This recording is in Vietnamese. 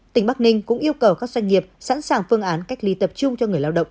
tỉnh bắc ninh cũng yêu cầu các doanh nghiệp sẵn sàng phương án cách ly tập trung cho người lao động